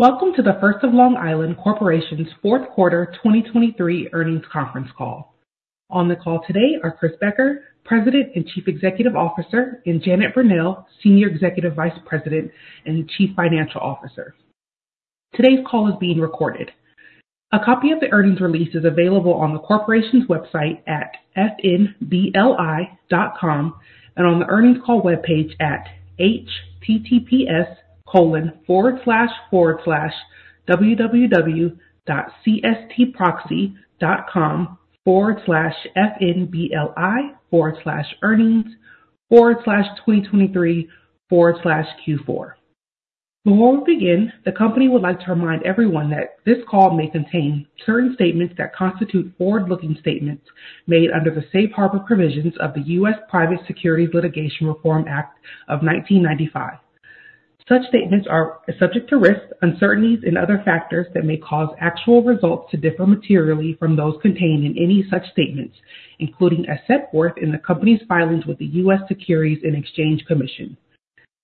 Welcome to The First of Long Island Corporation's fourth quarter 2023 earnings conference call. On the call today are Chris Becker, President and Chief Executive Officer, and Janet Verneuille, Senior Executive Vice President and Chief Financial Officer. Today's call is being recorded. A copy of the earnings release is available on the corporation's website at fnbli.com and on the earnings call webpage at https://www.cstproxy.com/fnbli/earnings/2023/Q4. Before we begin, the company would like to remind everyone that this call may contain certain statements that constitute forward-looking statements made under the safe harbor provisions of the U.S. Private Securities Litigation Reform Act of 1995. Such statements are subject to risks, uncertainties and other factors that may cause actual results to differ materially from those contained in any such statements, including as set forth in the company's filings with the U.S. Securities and Exchange Commission.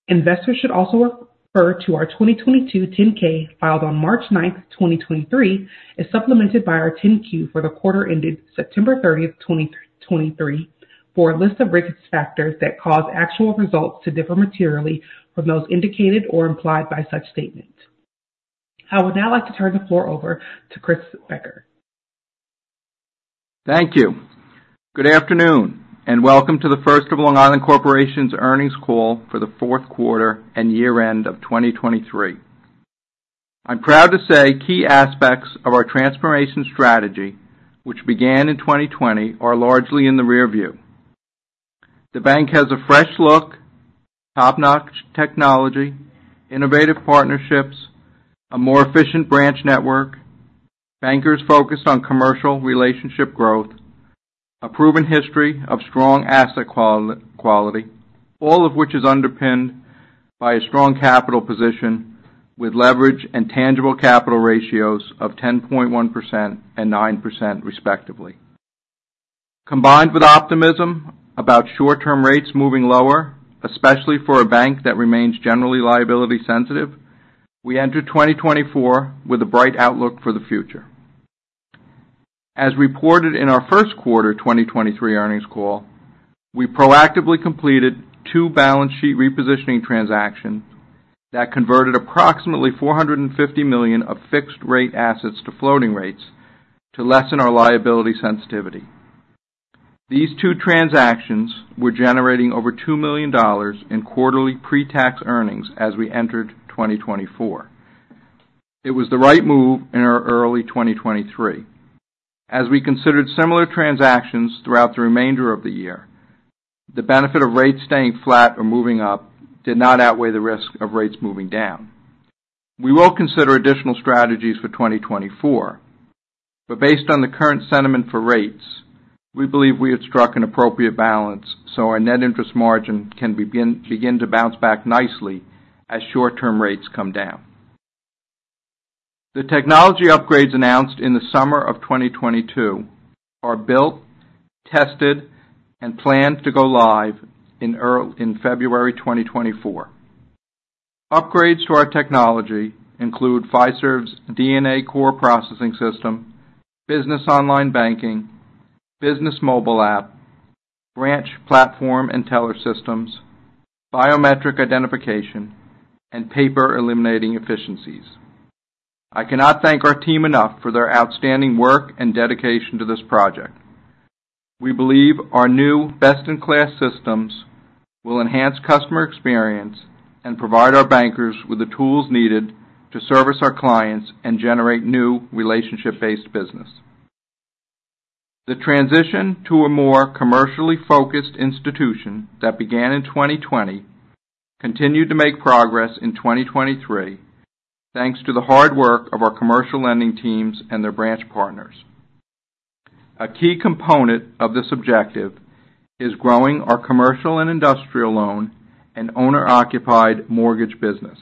Investors should also refer to our 2022 10-K, filed on March 9, 2023, as supplemented by our 10-Q for the quarter ended September 30, 2023, for a list of risk factors that cause actual results to differ materially from those indicated or implied by such statement. I would now like to turn the floor over to Chris Becker. Thank you. Good afternoon, and welcome to The First of Long Island Corporation's earnings call for the fourth quarter and year-end of 2023. I'm proud to say key aspects of our transformation strategy, which began in 2020, are largely in the rearview. The bank has a fresh look, top-notch technology, innovative partnerships, a more efficient branch network, bankers focused on commercial relationship growth, a proven history of strong asset quality, all of which is underpinned by a strong capital position with leverage and tangible capital ratios of 10.1% and 9%, respectively. Combined with optimism about short-term rates moving lower, especially for a bank that remains generally liability sensitive, we enter 2024 with a bright outlook for the future. As reported in our first quarter 2023 earnings call, we proactively completed two balance sheet repositioning transactions that converted approximately $450 million of fixed-rate assets to floating rates to lessen our liability sensitivity. These two transactions were generating over $2 million in quarterly pre-tax earnings as we entered 2024. It was the right move in our early 2023. As we considered similar transactions throughout the remainder of the year, the benefit of rates staying flat or moving up did not outweigh the risk of rates moving down. We will consider additional strategies for 2024, but based on the current sentiment for rates, we believe we have struck an appropriate balance so our net interest margin can begin to bounce back nicely as short-term rates come down. The technology upgrades announced in the summer of 2022 are built, tested, and planned to go live in February 2024. Upgrades to our technology include Fiserv's DNA core processing system, business online banking, business mobile app, branch platform and teller systems, biometric identification, and paper-eliminating efficiencies. I cannot thank our team enough for their outstanding work and dedication to this project. We believe our new best-in-class systems will enhance customer experience and provide our bankers with the tools needed to service our clients and generate new relationship-based business. The transition to a more commercially focused institution that began in 2020 continued to make progress in 2023, thanks to the hard work of our commercial lending teams and their branch partners. A key component of this objective is growing our commercial and industrial loan and owner-occupied mortgage business.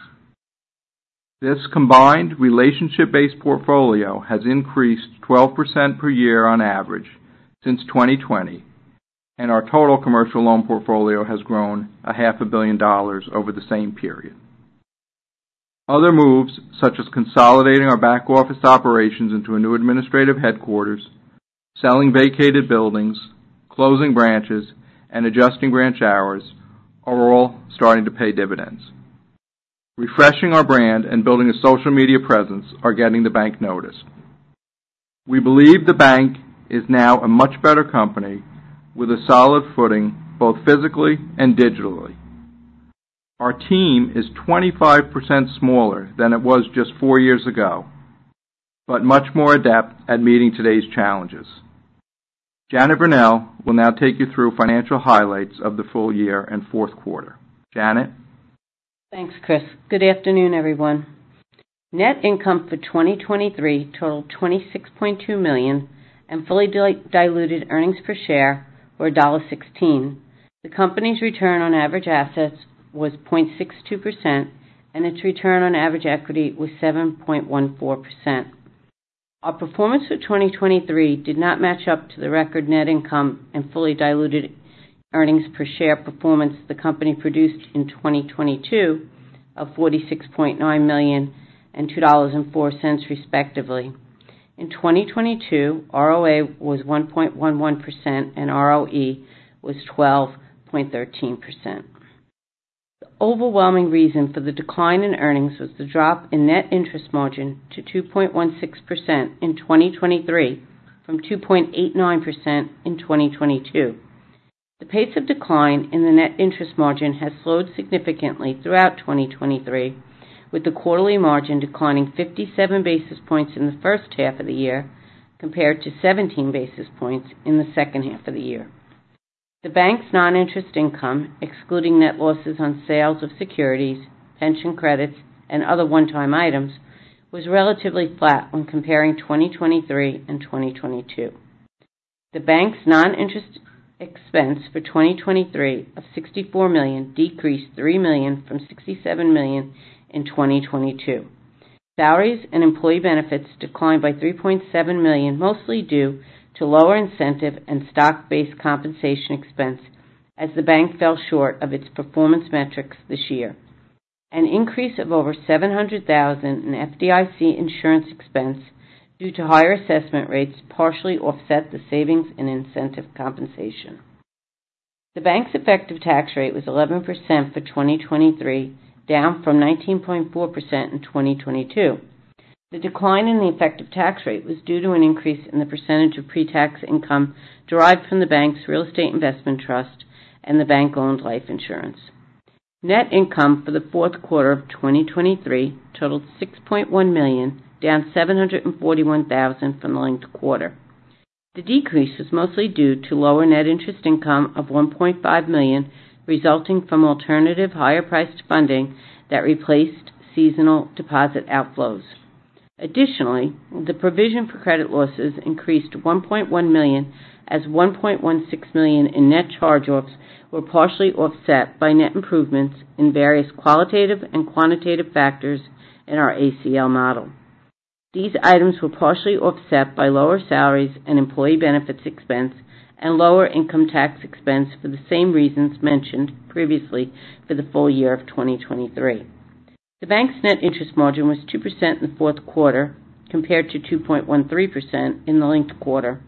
This combined relationship-based portfolio has increased 12% per year on average since 2020, and our total commercial loan portfolio has grown $500 million over the same period. Other moves, such as consolidating our back-office operations into a new administrative headquarters, selling vacated buildings, closing branches, and adjusting branch hours, are all starting to pay dividends. Refreshing our brand and building a social media presence are getting the bank noticed. We believe the bank is now a much better company with a solid footing, both physically and digitally. Our team is 25% smaller than it was just four years ago, but much more adept at meeting today's challenges. Janet Verneuille will now take you through financial highlights of the full year and fourth quarter. Janet? Thanks, Chris. Good afternoon, everyone. Net income for 2023 totaled $26.2 million and fully diluted earnings per share were $1.60. The company's return on average assets was 0.62%, and its return on average equity was 7.14%. Our performance for 2023 did not match up to the record net income and fully diluted earnings per share performance the company produced in 2022 of $46.9 million and $2.04, respectively. In 2022, ROA was 1.11% and ROE was 12.13%. The overwhelming reason for the decline in earnings was the drop in net interest margin to 2.16% in 2023, from 2.89% in 2022. The pace of decline in the net interest margin has slowed significantly throughout 2023, with the quarterly margin declining 57 basis points in the first half of the year, compared to 17 basis points in the second half of the year. The bank's non-interest income, excluding net losses on sales of securities, pension credits and other one-time items, was relatively flat when comparing 2023 and 2022. The bank's non-interest expense for 2023 of $64 million decreased $3 million from $67 million in 2022. Salaries and employee benefits declined by $3.7 million, mostly due to lower incentive and stock-based compensation expense as the bank fell short of its performance metrics this year. An increase of over $700,000 in FDIC insurance expense due to higher assessment rates partially offset the savings and incentive compensation. The bank's effective tax rate was 11% for 2023, down from 19.4% in 2022. The decline in the effective tax rate was due to an increase in the percentage of pre-tax income derived from the bank's real estate investment trust and the bank-owned life insurance. Net income for the fourth quarter of 2023 totaled $6.1 million, down $741,000 from linked quarter. The decrease is mostly due to lower net interest income of $1.5 million, resulting from alternative higher-priced funding that replaced seasonal deposit outflows. Additionally, the provision for credit losses increased $1.1 million, as $1.16 million in net charge-offs were partially offset by net improvements in various qualitative and quantitative factors in our ACL model. These items were partially offset by lower salaries and employee benefits expense and lower income tax expense for the same reasons mentioned previously for the full year of 2023. The bank's net interest margin was 2% in the fourth quarter, compared to 2.13% in the linked quarter.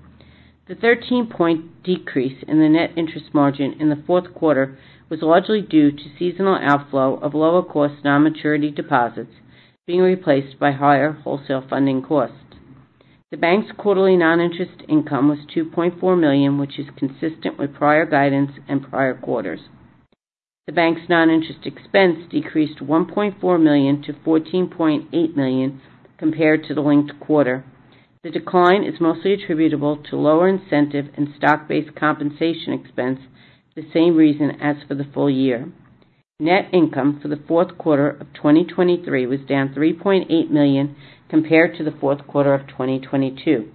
The 13-point decrease in the net interest margin in the fourth quarter was largely due to seasonal outflow of lower-cost non-maturity deposits being replaced by higher wholesale funding costs. The bank's quarterly non-interest income was $2.4 million, which is consistent with prior guidance and prior quarters. The bank's non-interest expense decreased $1.4 million to $14.8 million compared to the linked quarter. The decline is mostly attributable to lower incentive and stock-based compensation expense, the same reason as for the full year. Net income for the fourth quarter of 2023 was down $3.8 million compared to the fourth quarter of 2022.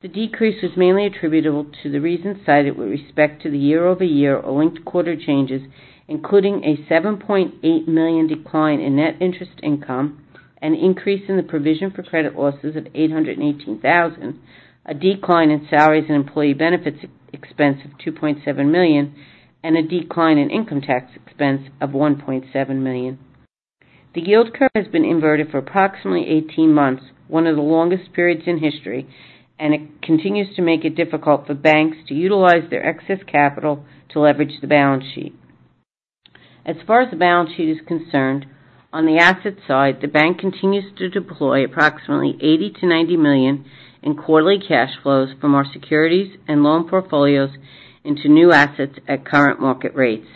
The decrease was mainly attributable to the reasons cited with respect to the year-over-year or linked quarter changes, including a $7.8 million decline in net interest income, an increase in the provision for credit losses of $818,000, a decline in salaries and employee benefits expense of $2.7 million, and a decline in income tax expense of $1.7 million. The yield curve has been inverted for approximately 18 months, one of the longest periods in history, and it continues to make it difficult for banks to utilize their excess capital to leverage the balance sheet. As far as the balance sheet is concerned, on the asset side, the bank continues to deploy approximately $80 million-$90 million in quarterly cash flows from our securities and loan portfolios into new assets at current market rates.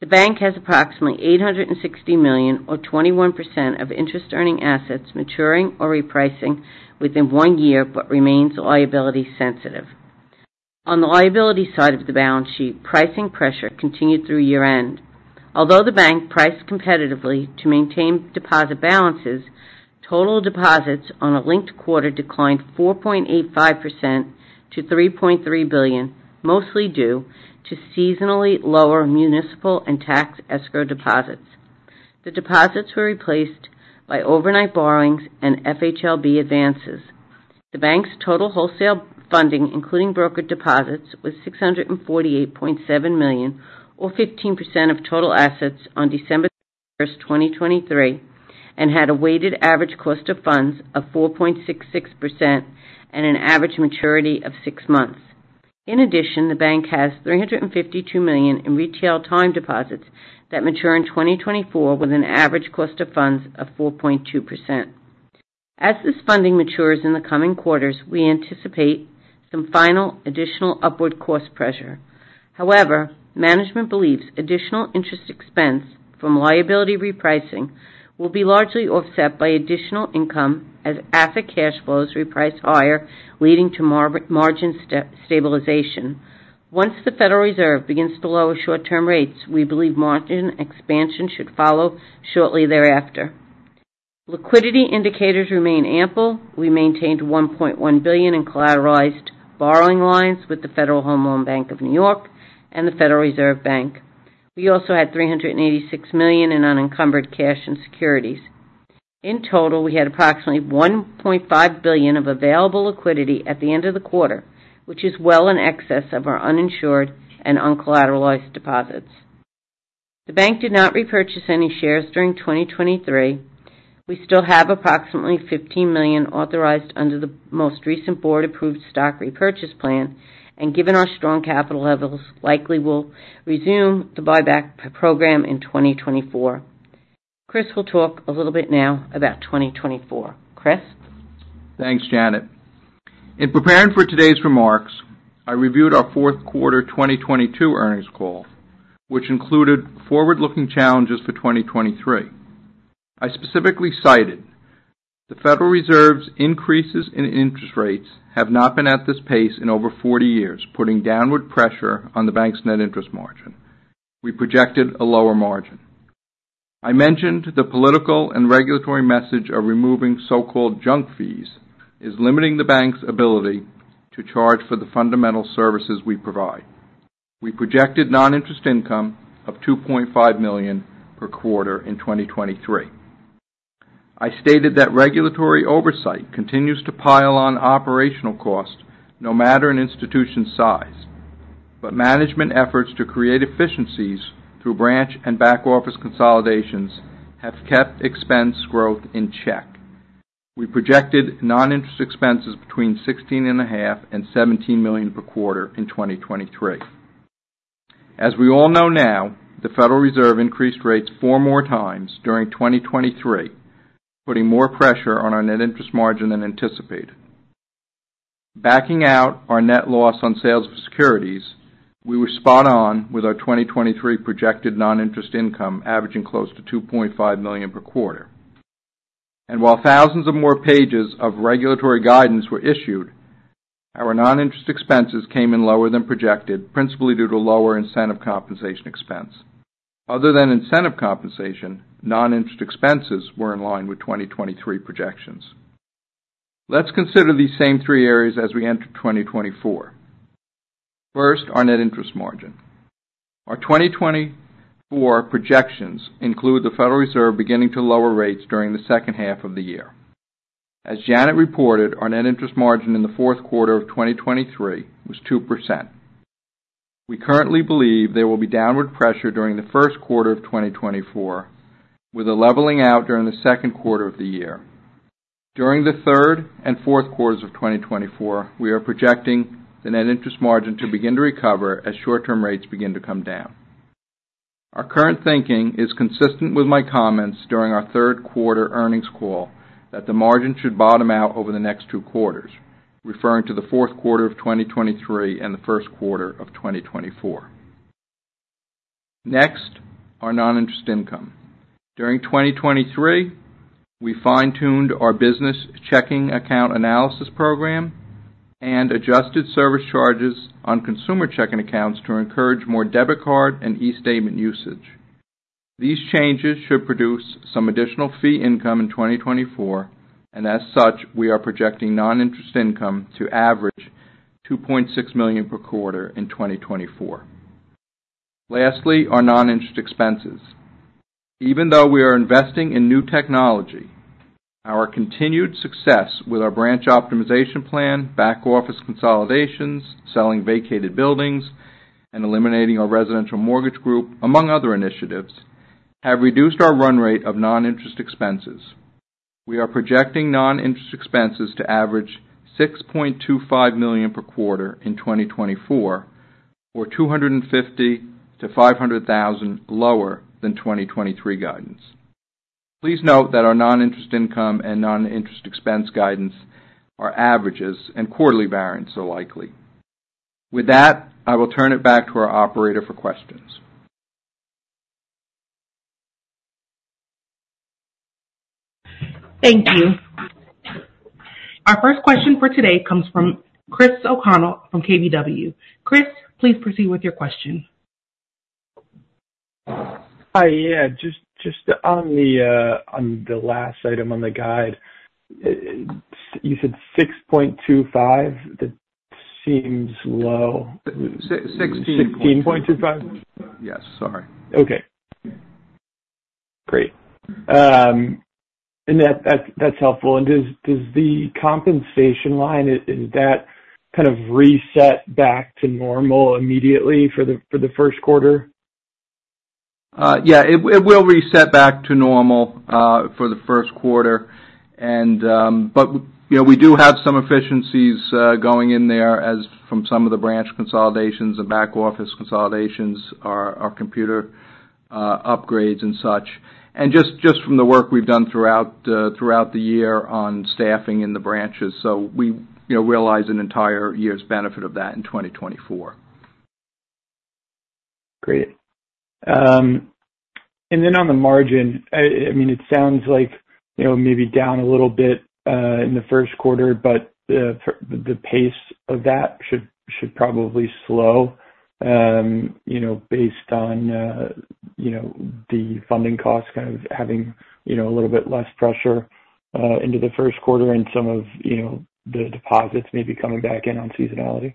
The bank has approximately $860 million, or 21% of interest-earning assets, maturing or repricing within one year, but remains liability sensitive. On the liability side of the balance sheet, pricing pressure continued through year-end. Although the bank priced competitively to maintain deposit balances, total deposits on a linked quarter declined 4.85% to $3.3 billion, mostly due to seasonally lower municipal and tax escrow deposits. The deposits were replaced by overnight borrowings and FHLB advances. The bank's total wholesale funding, including brokered deposits, was $648.7 million, or 15% of total assets on December 1, 2023, and had a weighted average cost of funds of 4.66% and an average maturity of 6 months. In addition, the bank has $352 million in retail time deposits that mature in 2024, with an average cost of funds of 4.2%. As this funding matures in the coming quarters, we anticipate some final additional upward cost pressure. However, management believes additional interest expense from liability repricing will be largely offset by additional income as asset cash flows reprice higher, leading to margin stabilization. Once the Federal Reserve begins to lower short-term rates, we believe margin expansion should follow shortly thereafter. Liquidity indicators remain ample. We maintained $1.1 billion in collateralized borrowing lines with the Federal Home Loan Bank of New York and the Federal Reserve Bank. We also had $386 million in unencumbered cash and securities. In total, we had approximately $1.5 billion of available liquidity at the end of the quarter, which is well in excess of our uninsured and uncollateralized deposits. The bank did not repurchase any shares during 2023. We still have approximately 15 million authorized under the most recent board-approved stock repurchase plan, and given our strong capital levels, likely will resume the buyback program in 2024. Chris will talk a little bit now about 2024. Chris? Thanks, Janet. In preparing for today's remarks, I reviewed our fourth quarter 2022 earnings call, which included forward-looking challenges for 2023. I specifically cited the Federal Reserve's increases in interest rates have not been at this pace in over 40 years, putting downward pressure on the bank's net interest margin. We projected a lower margin. I mentioned the political and regulatory message of removing so-called junk fees is limiting the bank's ability to charge for the fundamental services we provide. We projected non-interest income of $2.5 million per quarter in 2023. I stated that regulatory oversight continues to pile on operational costs, no matter an institution's size. But management efforts to create efficiencies through branch and back-office consolidations have kept expense growth in check. We projected non-interest expenses between $16.5 million and $17 million per quarter in 2023. As we all know now, the Federal Reserve increased rates four more times during 2023, putting more pressure on our net interest margin than anticipated. Backing out our net loss on sales of securities, we were spot on with our 2023 projected non-interest income, averaging close to $2.5 million per quarter. And while thousands of more pages of regulatory guidance were issued, our non-interest expenses came in lower than projected, principally due to lower incentive compensation expense. Other than incentive compensation, non-interest expenses were in line with 2023 projections. Let's consider these same three areas as we enter 2024. First, our net interest margin. Our 2024 projections include the Federal Reserve beginning to lower rates during the second half of the year. As Janet reported, our net interest margin in the fourth quarter of 2023 was 2%. We currently believe there will be downward pressure during the first quarter of 2024, with a leveling out during the second quarter of the year. During the third and fourth quarters of 2024, we are projecting the net interest margin to begin to recover as short-term rates begin to come down. Our current thinking is consistent with my comments during our third quarter earnings call, that the margin should bottom out over the next two quarters, referring to the fourth quarter of 2023 and the first quarter of 2024. Next, our non-interest income. During 2023, we fine-tuned our business checking account analysis program and adjusted service charges on consumer checking accounts to encourage more debit card and eStatement usage. These changes should produce some additional fee income in 2024, and as such, we are projecting non-interest income to average $2.6 million per quarter in 2024. Lastly, our non-interest expenses. Even though we are investing in new technology, our continued success with our branch optimization plan, back-office consolidations, selling vacated buildings, and eliminating our residential mortgage group, among other initiatives, have reduced our run rate of non-interest expenses. We are projecting non-interest expenses to average $6.25 million per quarter in 2024, or $250,000-$500,000 lower than 2023 guidance. Please note that our non-interest income and non-interest expense guidance are averages, and quarterly variance are likely. With that, I will turn it back to our operator for questions. Thank you. Our first question for today comes from Chris O'Connell from KBW. Chris, please proceed with your question. Hi. Yeah, just on the last item on the guide, you said 6.25? That seems low. Sixteen. 16.25. Yes, sorry. Okay, great. And that, that's helpful. And does the compensation line, is that kind of reset back to normal immediately for the first quarter? Yeah, it will reset back to normal for the first quarter. But, you know, we do have some efficiencies going in there as from some of the branch consolidations and back-office consolidations, our computer upgrades and such, and just from the work we've done throughout the year on staffing in the branches. So we, you know, realize an entire year's benefit of that in 2024. Great. And then on the margin, I mean, it sounds like, you know, maybe down a little bit in the first quarter, but the pace of that should probably slow, you know, based on, you know, the funding costs kind of having, you know, a little bit less pressure into the first quarter and some of, you know, the deposits maybe coming back in on seasonality?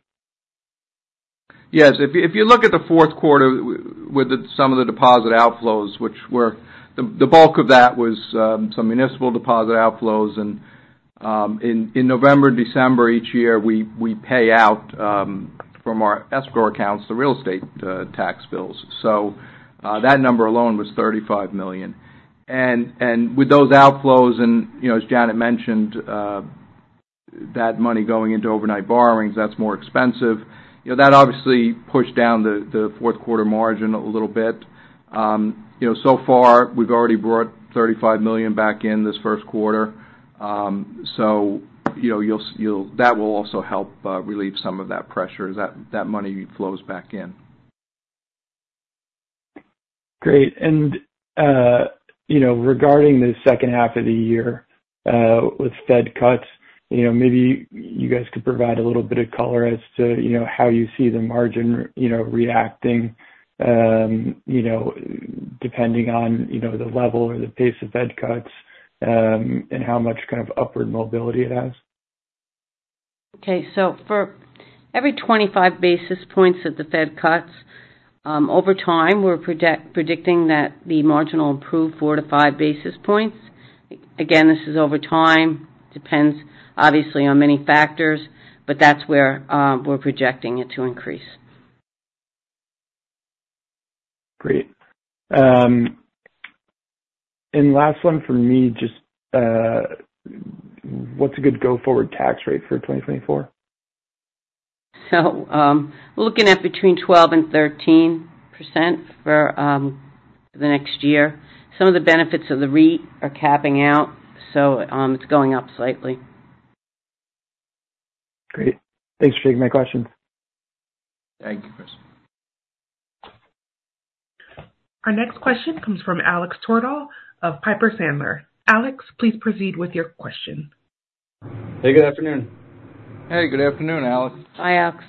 Yes. If you look at the fourth quarter with some of the deposit outflows, which were the bulk of that was some municipal deposit outflows. And in November and December, each year, we pay out from our escrow accounts, the real estate tax bills. So that number alone was $35 million. And with those outflows and, you know, as Janet mentioned, that money going into overnight borrowings, that's more expensive. You know, that obviously pushed down the fourth quarter margin a little bit. You know, so far, we've already brought $35 million back in this first quarter. So you know, that will also help relieve some of that pressure as that money flows back in. Great. And, you know, regarding the second half of the year, with Fed cuts, you know, maybe you guys could provide a little bit of color as to, you know, how you see the margin, you know, reacting, you know, depending on, you know, the level or the pace of Fed cuts, and how much kind of upward mobility it has? Okay. So for every 25 basis points that the Fed cuts, over time, we're predicting that the margin will improve 4-5 basis points. Again, this is over time. Depends, obviously, on many factors, but that's where we're projecting it to increase. Great. And last one for me, just, what's a good go-forward tax rate for 2024? We're looking at between 12% and 13% for the next year. Some of the benefits of the REIT are capping out, so it's going up slightly. Great. Thanks for taking my questions. Thank you, Chris. Our next question comes from Alex Twerdahl of Piper Sandler. Alex, please proceed with your question. Hey, good afternoon. Hey, good afternoon, Alex. Hi, Alex.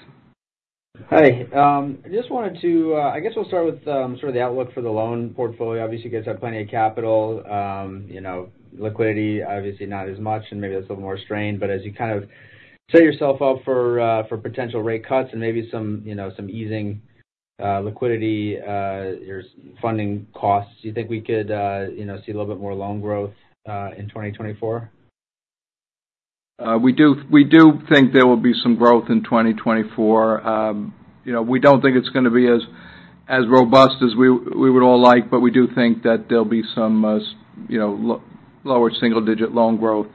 Hi. I just wanted to. I guess we'll start with sort of the outlook for the loan portfolio. Obviously, you guys have plenty of capital, you know, liquidity, obviously not as much, and maybe that's a little more strained. But as you kind of set yourself up for for potential rate cuts and maybe some, you know, some easing, liquidity, your funding costs, do you think we could, you know, see a little bit more loan growth, in 2024? We do, we do think there will be some growth in 2024. You know, we don't think it's gonna be as, as robust as we, we would all like, but we do think that there'll be some, you know, lower single-digit loan growth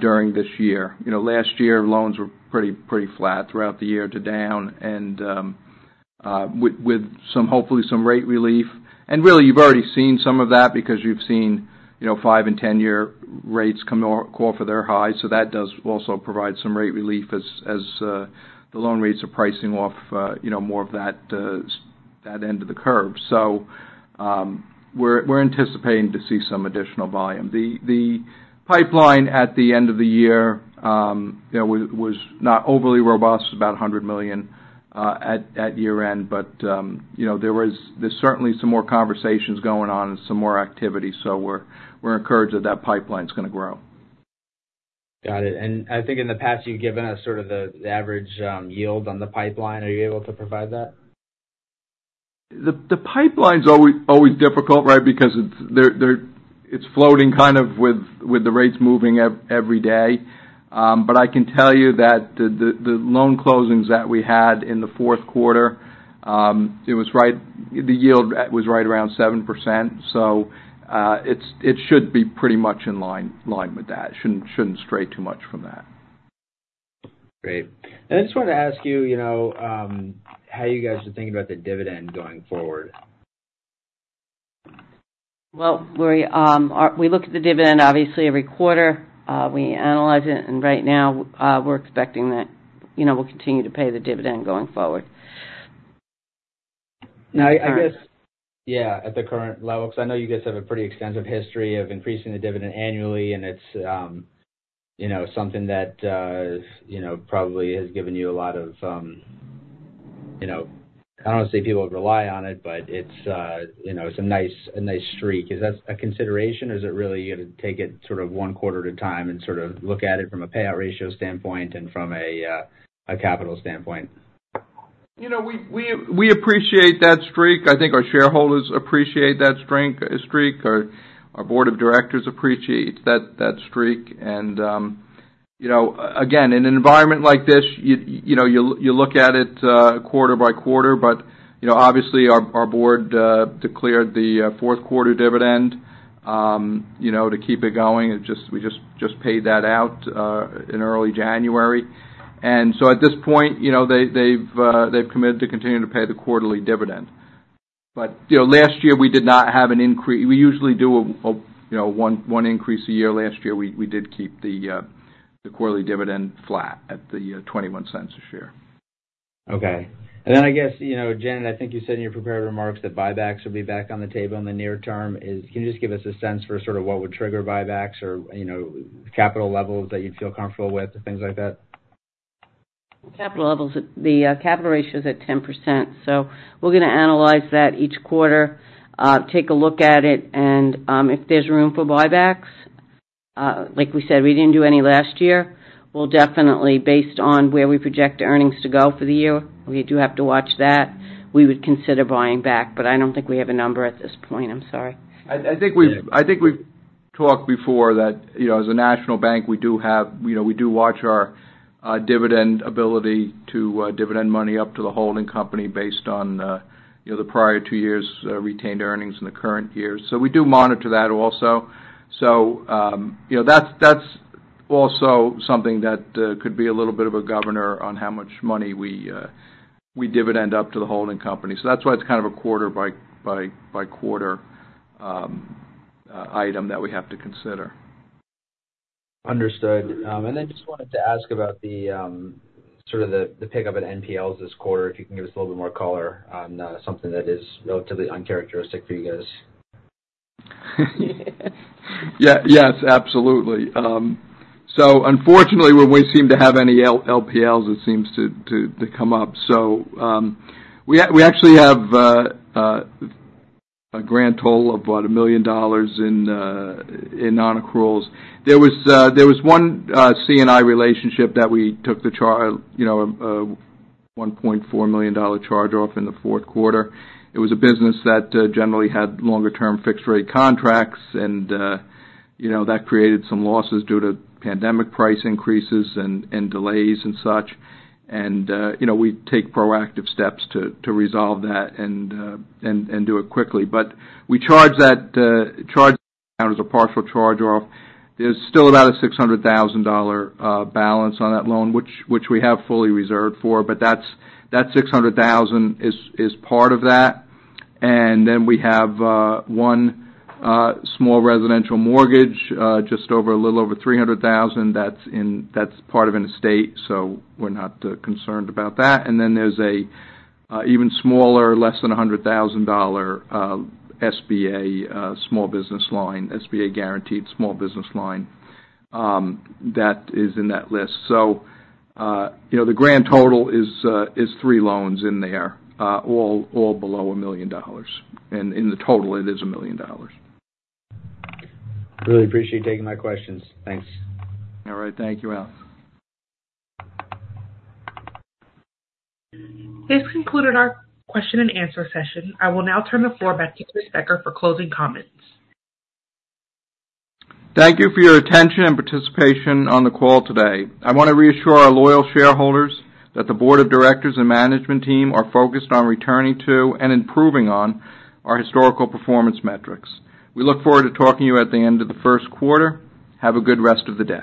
during this year. You know, last year, loans were pretty, pretty flat throughout the year to down, and with, with some hopefully, some rate relief. And really, you've already seen some of that because you've seen, you know, 5- and 10-year rates come off of their highs, so that does also provide some rate relief as, as the loan rates are pricing off, you know, more of that, that end of the curve. So, we're, we're anticipating to see some additional volume. The pipeline at the end of the year, you know, was not overly robust. It was about $100 million at year-end, but, you know, there's certainly some more conversations going on and some more activity, so we're encouraged that pipeline's gonna grow. Got it. And I think in the past, you've given us sort of the average yield on the pipeline. Are you able to provide that? The pipeline's always difficult, right? Because it's floating kind of with the rates moving every day. But I can tell you that the loan closings that we had in the fourth quarter, the yield was right around 7%, so it should be pretty much in line with that. Shouldn't stray too much from that. Great. I just wanted to ask you, you know, how you guys are thinking about the dividend going forward? Well, we look at the dividend, obviously, every quarter. We analyze it, and right now, we're expecting that, you know, we'll continue to pay the dividend going forward. I guess- Current. Yeah, at the current level, because I know you guys have a pretty extensive history of increasing the dividend annually, and it's, you know, something that, you know, probably has given you a lot of, you know, I don't want to say people rely on it, but it's, you know, it's a nice streak. Is that a consideration, or is it really, you take it sort of one quarter at a time and sort of look at it from a payout ratio standpoint and from a capital standpoint? You know, we appreciate that streak. I think our shareholders appreciate that strength, streak. Our board of directors appreciates that streak. And, you know, again, in an environment like this, you know, you look at it quarter by quarter, but, you know, obviously, our board declared the fourth quarter dividend, you know, to keep it going. It just, we just paid that out in early January. And so at this point, you know, they have committed to continuing to pay the quarterly dividend. But, you know, last year, we did not have an increase. We usually do a, you know, one increase a year. Last year, we did keep the quarterly dividend flat at the $0.21 a share. Okay. And then I guess, you know, Janet, I think you said in your prepared remarks that buybacks will be back on the table in the near term. Is, can you just give us a sense for sort of what would trigger buybacks or, you know, capital levels that you'd feel comfortable with and things like that? Capital levels, the capital ratio is at 10%, so we're gonna analyze that each quarter, take a look at it, and, if there's room for buybacks, like we said, we didn't do any last year. We'll definitely, based on where we project earnings to go for the year, we do have to watch that. We would consider buying back, but I don't think we have a number at this point. I'm sorry. I think we've talked before that, you know, as a national bank, we do have, you know, we do watch our dividend ability to dividend money up to the holding company based on, you know, the prior two years' retained earnings in the current year. So we do monitor that also. So, you know, that's also something that could be a little bit of a governor on how much money we dividend up to the holding company. So that's why it's kind of a quarter by quarter item that we have to consider. Understood. And then just wanted to ask about the sort of the pickup at NPLs this quarter, if you can give us a little bit more color on something that is relatively uncharacteristic for you guys. Yeah. Yes, absolutely. So unfortunately, when we seem to have any NPLs, it seems to come up. So, we actually have a grand total of about $1 million in nonaccruals. There was one C&I relationship that we took—you know—a $1.4 million charge-off in the fourth quarter. It was a business that generally had longer-term fixed rate contracts, and you know, that created some losses due to pandemic price increases and delays and such. And you know, we take proactive steps to resolve that and do it quickly. But we charged that as a partial charge-off. There's still about a $600,000 balance on that loan, which we have fully reserved for, but that's that $600,000 is part of that. And then we have one small residential mortgage just over a little over $300,000. That's in-- That's part of an estate, so we're not concerned about that. And then there's a even smaller, less than a $100,000 SBA small business line, SBA guaranteed small business line, that is in that list. So, you know, the grand total is three loans in there, all below $1 million. And in the total, it is $1 million. Really appreciate you taking my questions. Thanks. All right. Thank you, Alex. This concluded our question and answer session. I will now turn the floor back to Chris Becker for closing comments. Thank you for your attention and participation on the call today. I want to reassure our loyal shareholders that the board of directors and management team are focused on returning to and improving on our historical performance metrics. We look forward to talking to you at the end of the first quarter. Have a good rest of the day.